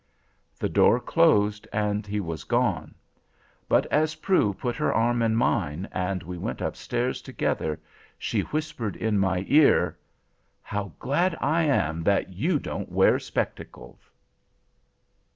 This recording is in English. The door closed, and he was gone. But as Prue put her arm in mine and we went upstairs together, she whispered in my ear: "How glad I am that you don't wear spectacles."